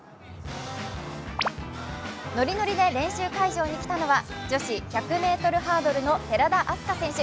ノリノリで練習会場に来たのは女子１００ｍハードルの寺田明日香選手。